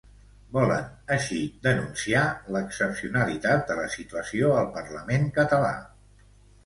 Volen, així, denunciar l'excepcionalitat de la situació al parlament català.